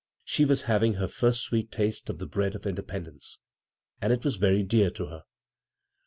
She was having her first sweet [ the bread of independence, and it y dear to her.